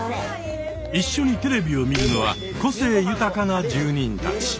一緒にテレビを見るのは個性豊かな住人たち。